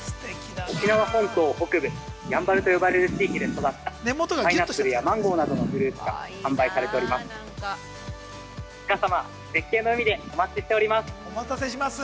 沖縄本島北部、やんばると呼ばれる地域で育ったパイナップルやマンゴーなどのフルーツが販売されております。